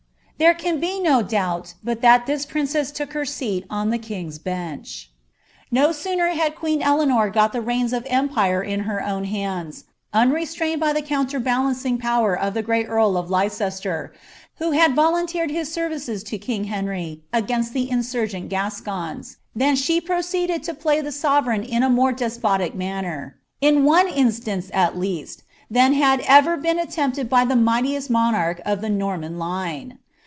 There can be no doubt bat this princess took her seat on the King's Bench.* No sooner had queen Eleanor got the reins of empire in her own fauds, unrestrained by the counterbalancing power of the great earl of Leicester, who had volunteered his services to king Henry against the iniiTgent Gascons, than she proceeded to play the sovereign in a more despotic manner, in one instance at least, than had ever been attempted by the mightiest monarch of the Norman line.